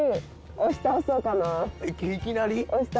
押し倒そうかな。